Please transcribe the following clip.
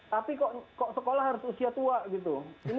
tapi kok sekolah harus usia tua gitu